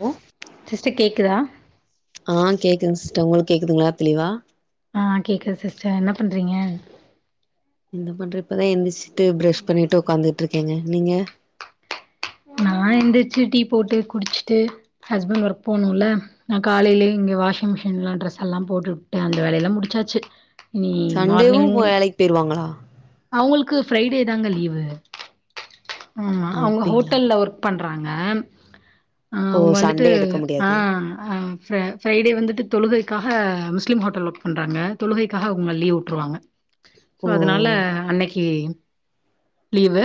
Low sister கேக்குதா ஆ கேக்குதுங் சிஸ்டர் உங்ளுக் கேக்குதுங்ளா தெளிவா ஆ கேக்குது சிஸ்டர் என்ன பண்றீங்க இந்த பண்றது இப்பதா எந்திர்ஸ்சிட்டு பிரஷ் பண்ணீட்டு ஒக்காந்துட்ருக்கேங்க நீங்க நா எந்திர்ச்சு டீ போட்டு குடிச்சிட்டு ஹஸ்பண்ட் ஒர்க் போணுல்ல நா காலைலே இங்க வாஷிங் மிஷின்லா ட்ரெஸ் எல்லா போட்டுவுட்டே அந்த வேலையெல்லா முடிச்சாச்சு இனி மார்னிங் பேய்ருவாங்ளா அவுங்கள்க்கு ஃப்ரைடே தாங்க லீவு ஆமா அவுங்க அப்டிங்களா ஹோட்டல்ல ஒர்க் பண்றாங்க அ ஓ அவுங் வந்துட்டு சண்டே எடுக்க ஆ முடியாது ஆ ஃப்ர ஃப்ரைடே வந்துட்டு தொழுகைகாக முஸ்லீம் ஹோட்டல்ல ஒர்க் பண்றாங்க தொழுகைகாக அவுங்க லீவ் உட்ருவாங்க சோ ஓ அதுனால அன்னைக்கி லீவு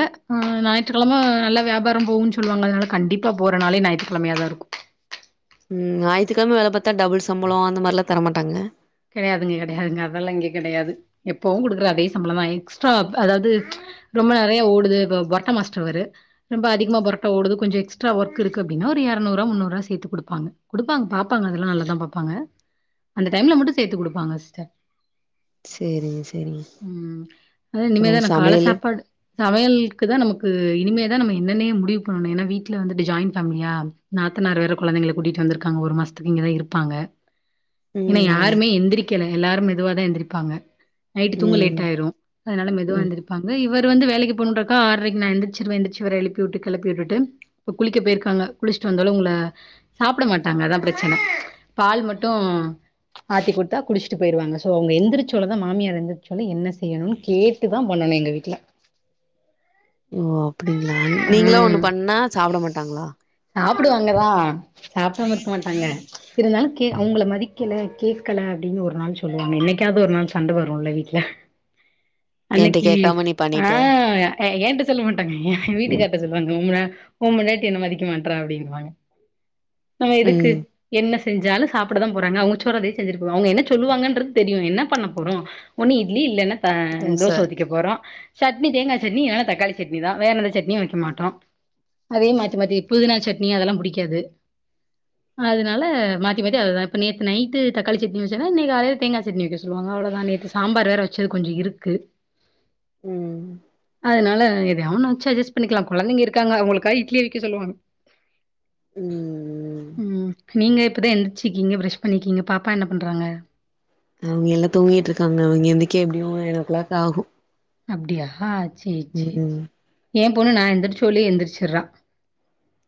ஞாய்ற்றுக்கெழம நல்லா வியாபாரோ போகுன் சொல்லுவாங்க அதுனால கண்டிப் பா போற நாளே ஞாய்ற்றுக்கெழமையா தா இருக்கு ம் ஞாய்த்துக்கெழம வேல பாத்தா டபுள் சம்பளோ அந்த மாரிலா தரமாட்டாங்க கெடையாதுங்க கெடையாதுங்க அதெல்லாம் இங்க கெடையாது எப்பவு குடுக்குற அதே சம்பளந் தா எக்ஸ்ட்ரா அதாது ரொம்ப நெறைய ஓடுது இப்ப பொரட்டா மாஸ்டர் அவரு ரொம்ப அதிகமாக பொரோட்டா ஓடுது கொஞ்சோ எக்ட்ரா ஒர்க் இருக்கு அப்டின்னா ஒரு எரநூரூவா முன்னுரூவா சேத்து குடுப்பாங்க குடுப்பாங்க பாப்பாங்க அதெல்லா நல்லா தா பாப்பாங்க அந்த டைம்ல மட்டு சேத்து குடுப்பாங்க சிஸ்டர் சேரிங்க சேரிங்க ம் அத அப்றோ இனிமேதான கால சமையலு சாப்பாடு சமையல்க்கு தா நமக்கு இனிமேதா நம்ம என்னன்னே முடிவு பண்ணணு ஏனா வீட்ல வந்துட்டு ஜாய்ண் பேமிலியா நாத்தனார் வேற கொழந்தைங்கள கூட்டிட்டு வந்துருக்காங்க ஒரு மாசத்துக்கு இங்கதா இருப்பாங்க ஏனா ம் யாருமே எந்திரிக்கல எல்லாரு மெதுவா தா எந்திரிப்பாங்க நைட்டு தூங்க ம் லேட் ஆய்ரு அதனால மெதுவா ம் எந்திரிப்பாங்க இவர் வந்து வேலைக்கு போணுன்றக்கா ஆறைக்கு நா எந்திச்சுருவ எந்திர்ச்சு இவர எழுப்பி உட்டு கெளப்பி விட்டுட்டு இப்ப குளிக்க பேருக்காங்க குளிச்சுட்டு வந்தாலு உங்கள சாப்ட மாட்டாங்க அதா ப்ரச்சன பால் மட்டு ஆத்தி குடுத்தா குடிச்சுட்டு போய்ருவாங்க சோ அவங்க எந்திரச்சோனதா மாமியார் எந்திரிச்சோனே என்ன செய்யணுன் கேட்டுதா பண்ணனு எங்க வீட்ல ஓ அப்டிங்ளா நீங்களா ஒண்ணு பண்ணா சாப்ட மாட்டாங்ளா சாப்டுவாங்கதா சாப்டாம இருக்க மாட்டாங்க இருந்தாலு கே அவங்கள மதிக்கல கேக்கல அப்டின்னு ஒரு நாள் சொல்லுவாங்க என்னைக்காது ஒரு நாள் சண்ட வருல்ல வீட்ல என்ட்ட அன்னைக்கி கேக்காம நீ அ பண்ணிட்ட அ என்ட்ட சொல்ல மாட்டாங்க ஏன வீட்டுக்கார்ட்ட சொல்வாங்க [unintelligible] உ பொண்டாடி என்ன மதிக்க மாட்றா அப்டின்னுவாங்க நம்ம எதுக்கு ம் என்ன செஞ்சாலு சாப்பிடதா போறாங்க அவங்க சொறவே செஞ்சிரு அவங்க என்ன சொல்லுவாங்கன்றது தெரியு என்ன பண்ண போறோ ஒன்னு இட்லி இல்லன்னா அ தோச தோசை ஊத்திக்க போறோ சட்னி தேங்கா சட்னி இல்லனா தக்காளி சட்னி தா வேற எந்த சட்னியு வைக்க மாட்டோ அதே மாத்தி மாத்தி புதினா சட்னி அதெல்லா புடிக்காது அதனால மாத்தி மாத்தி அதுதா இப்ப நேத்து நைட்டு தக்காளி சட்னி வச்சா இன்னைக் காலைல தேங்கா சட்னி வைக்க சொல்லுவாங்க அவ்ளோ தா நேத்து சாம்பார் வேற வச்சது கொஞ்ச இருக்கு ம் அதனால எதயா ஒன்ன வச்சு அஜஸ் பண்ணிக்லா கொழந்தைங்க இருக்காங்க அவங்களுக்கா இட்லி அவிக்க சொல்லுவாங் ம் ம் நீங்க இப்பதா எந்திரச்சுக்கீங்க ப்ரஷ் பண்ணிக்கீங்க பாப்பா என்ன பண்றாங்க அவங்க எல்லா தூங்கிட்டு இருக்காங்க அவங்க எந்திக்க எப்டியு நைன் ஓ க்ளாக் ஆகு அப்டியா சேர் சே ம் ஏ பொண்ணு நா எந்திரிச்சோல்லே எந்திரிச்சுறா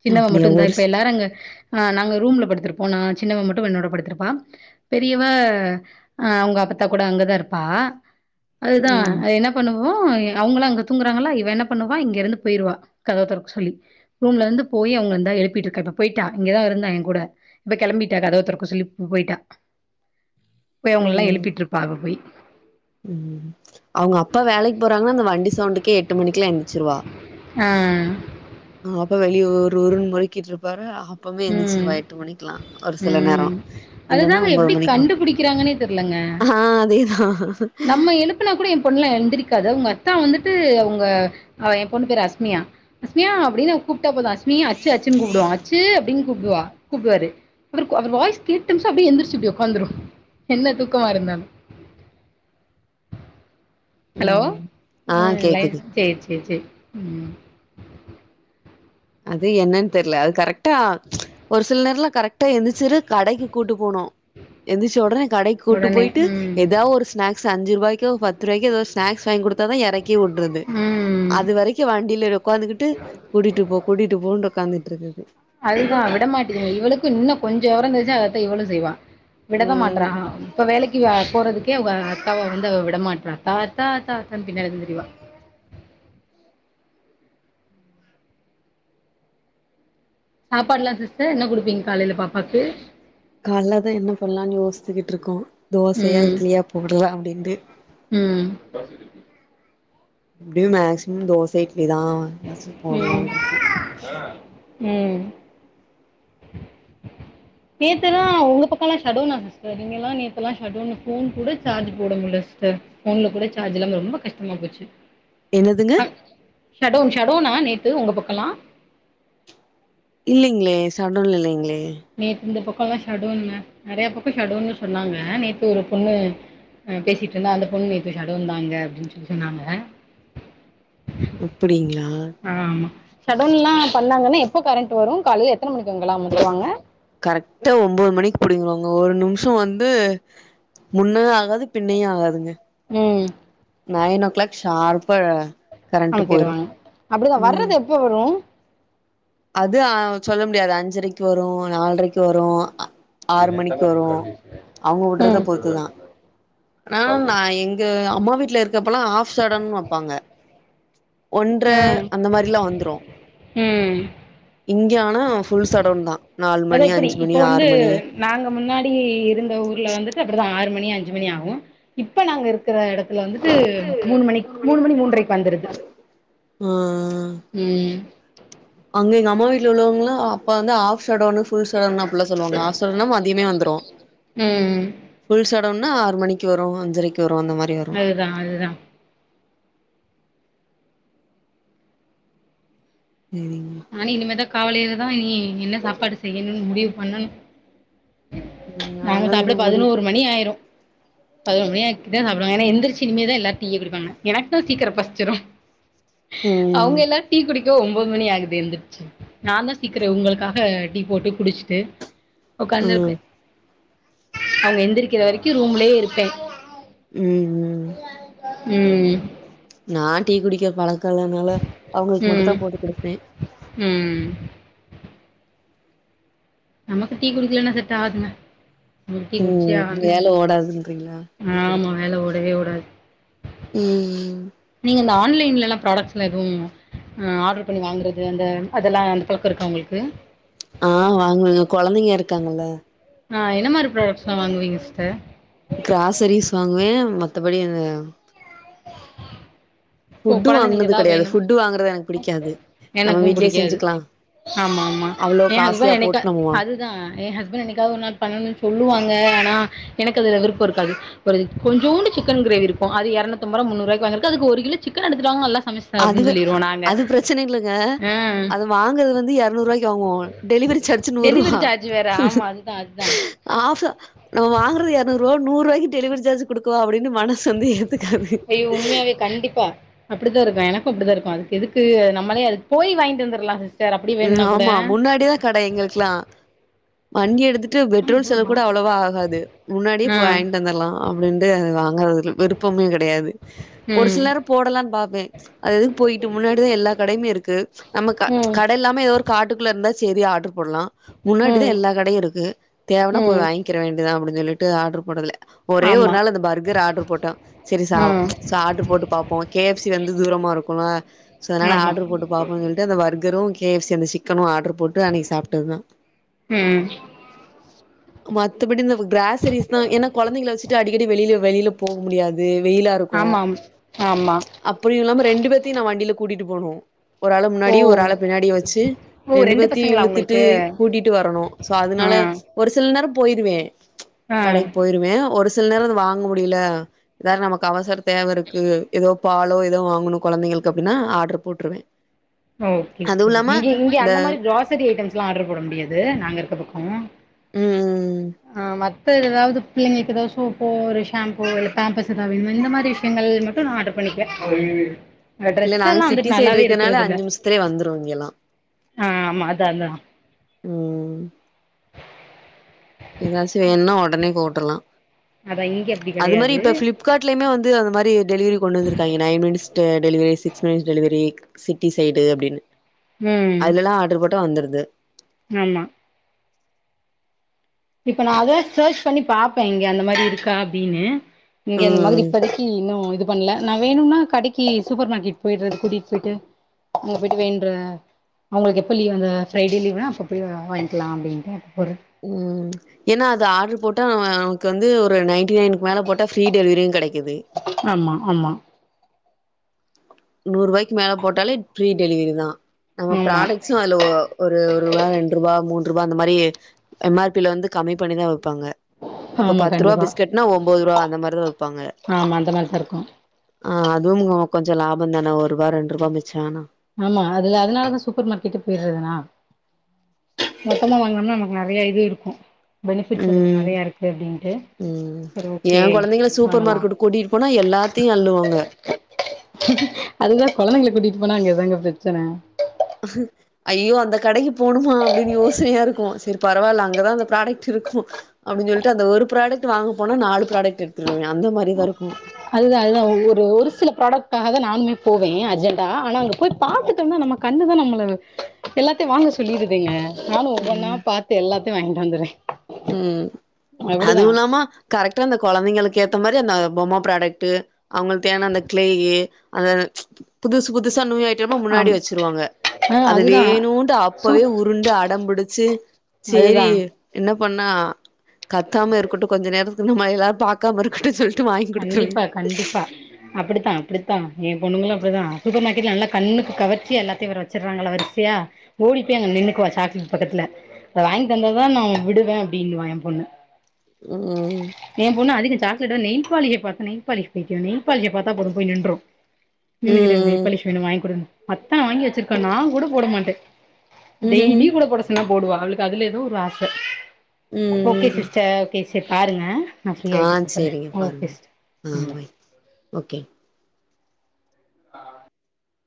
சின்னவ அப்டியா மட்டு இந்தா ஒரு இப்ப ஸ் எல்லாரு அங்க ஆ நாங்க ரூம்ல படுத்துருப்போ நா சின்னவ மட்டு என்னோட படுத்துருப்பா பெரியவ அ அவங்க அப்பத்தா கூட அங்கதா இருப்பா அதுதா ம் அது என்ன ன பண்ணுவோ அவங்ளா அங்க தூங்றாங்களா இவ என்ன பண்ணுவா இங்க இருந்து பேருவா கதவ தொறக்க சொல்லி ரூம்ல இருந்து போய் அவங்க இந்தா எழுப்பிட்ருக்கா இப்ப பேட்டா இங்கதா இருந்தா ஏ கூட இப்ப கெளம்பிட்டா கதவ தொறக்க சொல்லி போய்ட்டா போய் அவங்கல்லா ம் எழுப்பிட்ருப்பா இப்ப போய் ம் அவங்க அப்பா வேலைக்கு போறாங்னா அந்த வண்டி சவ்ண்டுக்கே எட்டு மணிக்குலா எந்திச்சிருவா அ அவ அப்பா வெளிய உர் உருன்னு முறுக்கிட்ருப்பாரு அப்பமே ம் எந்திச்சிருவா எட்டு மணிக்லா ம் அது தாங்க எப்டி மணிக்கு மேல கண்டுபுடிக்கிறாங்ன்னே தெர்லங்க ஆ அதே தா நம்ம எழுப்புனா கூட ஏ பொண்ணுலா எந்திரிக் க்காது உங்க அத்தா வந்துட்டு அவங்க ஏ பொண்ணு பேர் அஸ்மியா அஸ்மியா அப்டின் அவங் கூப்ட்டா போது அஸ்மி அச்சு அச்சுன்னு கூப்டுவா அச்சு அப்டின் கூப்டுவா கூப்டுவாரு அவருக் அவர் வாய்ஸ் கேட்டுச்சா அப்டியே எந்திரிச்சு இப்டி உக்காந்துரு என்ன தூக்கமா இருந்தாலு ஹலோ ம் ஆ லைன் சேர் சேர் சேர் அது என்னன் தெர்ல அது கரெக்ட் டா ஒரு சில நேரலா கரெக்டா எந்திரிச்சுரு கடைக்கு கூட்டு போனு எந்திச்ச ஒடனே கடைக்கு கூட்டு உடனே போயிட்டு ம் ஏதா ஒரு ஸ்நாக்ஸ் அஞ்சு ருவாய்க்கோ பத்து ருவாய்க்கோ எதோ ஸ்நாக்ஸ் வாங்கி குடுத் தாதா எறக்கியே உடறது ம் அது வரைக்கு வண்டியில உக்காந்துகிட்டு கூட்டிட்டு போ கூட்டிட்டு போ னு உக்காந்துட்டு இருக்குது அதேதா விட மாட்டங்குது இவளுக்கு இன்னு கொஞ்ச வெவரந் தெரிஞ்சா அதத்தா இவளு செய்வா விடதா ம். மாட்றாக இப்ப வேலைக்கு போறதுக்கே அவ அக்காவா வந்து அவ விடமாட்றா தாத்தா தாத்தான்னு பின்னாடிதா திரிவா சாப்பாடுலா சிஸ்டர் என்ன குடுப்பிங்க காலைல பாப்பாக்கு காலலதா என்ன பண்லானு யோஸ்த்துகிட்ருக்கோ தோசையா ம் இட்லியா போடலா அப்டின்ட்டு ம் எப்டியு மேக்சிமம் தோச இட்லிதா அவ ம் ம் நேத்தெல்லா உங்க பக்கலா ஷடவுன்னா சிஸ்டர் இங்கல்லா நேத்தெலா ஷடவுன்னு ஃபோன் கூட சார்ஜ் போட முடில சிஸ்டர் ஃபோன்ல கூட சார்ஜ் இல்லாம ரொம்ப கஷ்டமா போச்சு என்னதுங்க அ ஷடவுன் ஷடவுனா நேத்து உங்க பக்கலா இல்லிங்ளே ஷடவுன் இல்லிங்ளே நேத்து இந்த பக்கலா ஷடவுன்ங்க நெறைய பக்க ஷடவுன்னு சொன்னாங்க நேத்து ஒரு பொண்ணு பேசிட்ருந்த அந்த பொண்ணு நேத்து ஷடவுன்தா அங்க அப்டின் சொல்லி சொன்னாங்க அப்படிங்ளா ஆ ஆமா ஷடவுன்ல்லா பண்ணாங்கன்னா எப்போ கரண்ட் வரு காலைல எத்தன மணிக்கு அங்கலா அமத்துவாங்க கரெக்டா ஒம்போது மணிக்கு புடிங்கிருவாங்க ஒரு நிம்ஷ வந்து முன்ன ஆகாது பின்னயு ஆகாதுங்க ம் நைன் ஓ கிளாக் ஷார்ப்பா கரண்ட்டு போயிரு அமுத்திருவாங்க அப்டிதா ம் வர்றது எப்ப வரு அது சொல்ல முடியாது அஞ்சரைக்கு வரு நால்ரைக்கு வரு ஆறு மணிக்கு வரு அவங்க உடறத ம் பொறுத்துதா ஆனா நா எங் க அம்மா வீட்ல இருக்கப்பல்லா ஆஃப் ஷடன் வெப்பாங்க ஒன்ர ம் அந்த மாரிலா வந்துரு ம் இங்க ஆனா ஃபுல் ஷடவுன்தா நாலு மணி அஞ்சு மணி ஆறு மணி நாங்க முன்னாடி இருந்த ஊர்ல வந்துட்டு அப்டிதா ஆறு மணி அஞ்சு மணி ஆகு இப்ப நாங்க இருக்கற எடத் துல வந்துட்டு மூணு மணி மூணு மணி மூன்றைக்கு வந்துருது ஆ ம் அங்க எங்க அம்மா வீட்ல உள்ளவங்களா அப்ப வந்து ஆஃப் ஷடவுனு ஃபுல் ஷடவுன் அப்டிலா சொல்லுவாங்க ஆஃப் ஷடவுனா மதியமே வந்துரு ம் ஃபுல் ஷடவுனா ஆறு மணிக்கு வரு அஞ்சரைக்கு வரு அந்த மாரி வரு அதுதா அதுதா ம் நானு இனிமேதா காலைலதா இனி என்ன சாப்பாடு செய்யணுன் முடிவு பண்ணணு ம் நாங்க நாங்களு சாப்பிட இன்னு முடி பதினோரு மணி ஆயிரு பதினொரு மணி ஆக்கிட்டு சாப்டுவாங்க ஏனா எந்திரிச்சு இனிமே தா எல்லாரு டீ குடிப்பாங்க எனக்கு சீக்கரோ பசிச்சுடு ம் அவுங்கெல்லா டீ குடிக் இதோ ஒன்பது மணி ஆகுது எந்துருச்சு நா தா சீக்கிரோ உங்களுக்காக டீ போட்டு குடிச்சுட்டு ஆ உக்காந்துருப்பே அவங்க எந்திருக்கிற வரைக்கு ரூம்லயே இருப்பே ம் ம் ம் நா டீ குடிக்கிற பழக்கேலனால அவங்களுக்கு மட்டு ம் தா போட்டு குடுப்பே ம் நமக்கு டீ குடிக்கலன்னா செட்டாகாதுங்க ம் வேல ஓடாதுன்றீங்களா டீ ஆமா குடிக்கல வேலை ஓடவே ஓடாது ம் ம் நீங்க இந்த ஆன்லைன்லல்லா ப்ராடெக்ட்ஸ்ல்லா எதுவு ஆ ஆர்டர் பண்ணி வாங்கறது அந்த அதெல்லா அந்த பழோக்க இருக்கா உங்களுக்கு ஆ வாங்வேங்க கொழந்தைங்க இருக்காங்கல்ல ஆ என்ன மாரி ப்ராடக்ட்ஸ்லா வாங்குவீங்க சிஸ்டர் கிராசரிஸ் வாங்குவே மத்தபடி அந்த ஓ ஃபுட்டு கொழந்தைங்களுக்கு வாங்குனது எதாவது கெடையாது வேணு ஃபுட்டு வாங்குறது எனக்கு பிடிக்காது நம்ம எனக்கு வீட்லயே புடிக்காது செஞ்சுக்கலா ஆமாமா அவ்ளோ எ காஸ்ட்லியா ஹஸ்பண்ட் போட்டு என்னைக்கா நம்ம வாங் அதுதா எ ஹஸ்பண்ட் என்னைக் கா ஒரு நாள் பண்ணணுன் சொல்லுவாங்க ஆனா எனக்கு அதுல விருப்போ இருக்கது கொஞ்சோண்டு சிக்கன் கிரேவி இருக்கு அது இரநூத்து அம்பதுரூவா முன்னூறு ருவாய்க்கி வாங்கறதுக்கு அது ஒரு கிலோ சிக்கன் எடுத்துட்டு வாங்க நல்லா சமைச்சு தரே அப்டின் அதுவே சொல்லிருவோ நாங்க அது பிரச்சனை இல்லங்க ஆ அத வாங்கறது வந்து இரநூறு ரூவாய்க் குவோ டெலிவரி சார்ஜ் நூறு ரூபா டெலிவரி சார்ஜ் வேற ஆமா அதுதா அதுதா ஆச நம்ம வாங்கறது இரநூறுவா நூறு ரூபாய்கி டெலிவரி சார்ஜ் குடுக்குவோ அப்படின்னு மன சு வந்து ஏத்துக்காது எ கண்டிப்பா அப்படித்தா இருக்கு எனக்கு அப்படிதா இருக்கு அதுக்கு எதுக்கு நம்மளே அது போய் வாய்யிண்டு வந்தர்லா ம் ஆமா முன்னாடிதா கடை எங்களுக்கெல்லா வண்டி எடுத்துட்டு பெட்ரோல் செலவு கூட அவ்ளோவா ஆகாது முன்னாடியே ஆ போய் வாங்கிட்டு வந்தர்லா அப்டின்ட்டு அது வாங்கறதுல விருப்பமே கெடையாது பொரு ம் சிலரு போடலான் பாப்பே அது எதுக்கு போயிட்டு முன்னாடிதா எல்லா கடையுமே இருக்கு நம்ம கட் ம் இல்லாம ஏதோ ஒரு காட்டுக்குள்ள இருந்தா சேரி ஆர்டர் போட்லா முன்னாடிதா ம் எல்லா கடையு இருக்கு தேவனா போய் ம் வாங் கிற வேண்டியதா அப்டின்னு சொல்லிட்டு ஆர்டர் போடுல ஒரே ஒரு ஆமா நாள் அந்த பர்கர் ஆர்டர் போட்டோ சேரி சாப் ம் சே ஆர்டர் போட்டு பாப்போ கே எப் சி வந்து தூரமாருக்குமா சோ அதனால ஆமா ஆடர் போட்டு பாப்போ சொல்லிட்டு அந்த பர்க் கரு கே எப்சி அந்த சிக்கனு ஆர்டரு போட்டு அன்னைக்கி சாப்ட்டது தா ம் மத்தபடி இந்த கிராசரிஸ் தா ஏன்னா கொழந்தைகள வச்சுட்டு அடிக்கடி வெளியில வெளியில போக முடியாது வெயிலாருக் ஆமாம் ஆமா அப்படியு இல்லாம ரெண்டு பேத்தையு நா வண்டியில கூட்டிட்டு போனு ஒரு ஆள ஓ முன்னாடி ஒரு ஆள பின்னாடி வச்சு ஓ ரெண்டு ரெண்டுபேத்தையு பசங்களா இழுத்துட்டு உங்களுக்கு கூட்டிட்டு விட்டு வரணு சோ ஆ அதனால ஒரு சில் நேரோ போயிருவே ஆ கடைக்கி போய் வே ஒரு சில நேரோ அத வாங்க முடியல ஏதாவது நமக்கு அவசர தேவருக்கு ஏதோ பாலோ ஏதோ வாங்கணு கொழந்தைங்களுக்கு அப்படின்னா ஆர்டர் போட்டுருவே ஓ ஓகே அதுவு சேரி இல்லாம இங்கே இங்க இந்த அந்த மாரி கிராசரி ஐட்டம்ஸ்ல்லா ஆர்டர் போட முடியாது நாங்க இருக்க பக்கோ ம் ஆ மத்த ஏதாவது புள்ளைகங்களுக்கு ஏதாவது சோப்போ ஒரு ஷாம்போ இல்ல பேம்பர்ஸ் எதாவது வேணுன்னா இந்த மாரி விஷ்யங்கள் மட்டு நா ஆர்டர் பண்ணிப்பே அந்த டிரெஸ் எல்லா வந்துட்டு நல்லாவே இருக்கறது இல்ல திலே வந்துரு இங்கேல்லா ஆமா அதா அதா ம் எதாச்சு வேணுனா ஒடனே போட்ரலா அதா இங்க அப்டி அது மாரி கெடையாது இப்ப ஃபிளிப் கார்ட்லயுமே வந்து அந்த மாரி டெலிவரி கொண்டு வந்துருக்காய்ங்க நைன் மினிட் டெ deliveries six minutes delivery city side அப்டின்னு ம் அதுலல்லா ஆர்டரு போட்டா வந்துருது ஆமா இப்ப நா அதா சேர்ச் பண்ணி பாப்பே இங்க அந்த மாரி இருக்கா அப்டின்னு இங்க அந்த மாதிரி ம் கெட இன்னு இது பண்ணல நா வேணும்னா கடைக்கு சூப்பர் மார்க்கெட் போயிடுறது கூட்டிட்டு போயிட்டு அங்க போய்ட்டு வேன்ற அவுங்களுக்கு எப்ப லீவ் அந்த ஃப்ரைடே லீவுனா அப்ப போய் வாங்கிக்கலா அப்டின்ட்டு ஒரு ம் ஏனா அது ஆர்டரு போட்டா அவ நமக்கு வந்து ஒரு நைன்டி நைன் மேல போட்டா ஃப்ரீ டெலிவரியு கெடைக்குது ஆமா ஆமா நூறு ரூவாய்க்கு மேல போட்டாலே ஃப்ரீ டெலிவரி தா நம்ம ஆமா ப்ராடக் சோ அதுல ஒரு ஒரு ரூவா ரெண்டு ரூவா மூன்று ரூவா அந்த மாரி எம் ஆர் பி ல வந்து கம்மி பண்ணி தா வப்பாங்க இப்ப ஆமா பத்து ரூவா கண்டிப்பா பிஸ்கட்னா ஒம்போது ரூவா அந்த மாரிதா விப்பாங்க ஆமா அந்த மாரிதா இருக்கு ஆ அதுவும் கொஞ்சோ லாபந் தான ஒரு ரூவா ரெண்டு ரூவா மிச்ச ஆனா ஆமா அதுல அதனாலதா சூப்பர் மார்க்கெட் போயிடுறதுனா மொத்தமா வாங்காம நமக்கு நெறைய இது இருக்கு பெனிஃபிட்ஸ் அதில நெறையா இருக்குது அப்டின்ட்டு சரி எ ஓகே குழந்தைகள சூப்பர் வாங்கலா மார்க்கெட் கூட்டிட்டு போனா எல்லாத்தையு அள்ளுவாங்க அதுதா கொழந்தைங்கள கூட்டிட்டு போனா அங்க இதாங்க பிரெச்சன ஐயோ அந்த கடைக்கி போணுமா அப்டின்னு யோசயா இருக்கு செரி பரவால்ல அங்கதா அந்த ப்ராடக்ட் இருக்கு அப்டின்னு சொல்லிட்டு அந்த ஒரு ப்ராடக்ட் வாங்க போனா நாலு ப்ராடக்ட் எடுத்துடுவே அந்த மாரிதா இருக்கு அதுதா அதுதா ஒரு ஒரு சில ப்ராடக்டாக தா நானுமே போவே அர்ஜெண்டா ஆனா அங்க போய் பாத்துட்டோம்னா நம்ம கண்ணுதா நம்பள எல்லாத்தையு வாங்க சொல்லிருதேங்க நானு ஒவ்வொன்னா ம் பாத்து எல்லாத்தையு வாங்கிட்டு வந்துறே ம் அதுவு இல்லாம கரெக்டா அந்த கொழந்தைங்களுக்கு ஏத்த மாரி அந்த பொம்ம ப்ராடக்ட்டு அவுங்களுக்கு தேவையான அந்த கிளேயி அந்த புதுசு புதுசா நியூ ஐயிட்டமா முன்னாடி ஆம் வச்சிருவாங்க ஆ அது அதுதான் வேணுட்டு அப்பவே சூப் உருண்டு அடம்பிடிச்சு சேரி அதுதான் என்ன பண்ணா கத்தாம இருக்கட்டு கொஞ்ச நேரத்துக்கு நம்மள எல்லாரு பாக்காம இருக்கட்டு சொல்லிட்டு வாங் கண்டிப்பா கண்டிப்பா அப்டித்தா அப்டித்தா எ பொண்ணுங்களு அப்டிதா சூப்பர் மார்க்கெட்ல நல்ல கண்ணுக்கு கவர்ச்சியா எல்லாத்தையு வேற வச்சிருறாங்களா வரிசையா ஓடிப்போய் அங்க நின்னுக்குவா சாக்லேட் பக்கத்துல இப்ப வாங்கி தந்தாதா நா உன் விடுவே அப்டின்னுவா எ பொண்ணு ம் ம் ஏ பொண்ணா அதிக சாக்லேட் நெய்பாலிஸ் பாத்தா நெய்பாலிஸ் புடிக்கு நெய் பாலிஸ பாத்தா போது போய் நின்ரு நின்னு கிட்டு ம் நொய்பாலிஸ் வேணு வாங்கிகுடுனு அத்தன வாங்கி வச்சிருக்கா நா கூட போட மாட்டே ம் ம் ம் டெய்லியு கூட போட சொன்னா போடுவா அவளுக்கு அதுல ஏதோ ஒரு ஆச ஓகே ம் சிஸ்டர் சேரி சேரி பாருங்க நா ஃப்ரீ ஆ ஆயிட்டு கூப்றே சேரிங்க பாருங்க ஆ பாய் ஓகே ஆ